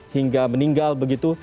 hingga meninggal begitu